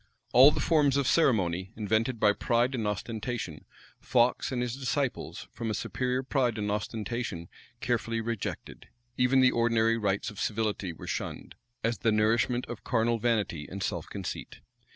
All the forms of ceremony, invented by pride and ostentation, Fox and his disciples, from a superior pride and ostentation, carefully rejected: even the ordinary rites of civility were shunned, as the nourishment of carnal vanity and self conceit.